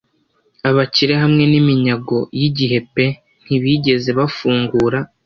Abakire hamwe n'iminyago yigihe pe ntibigeze bafungura;